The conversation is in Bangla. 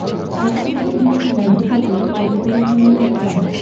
এক চিলতে-ভিত্তিক ব্যবস্থাগুলি এর বিপরীত ধরনের একটি ব্যবস্থা।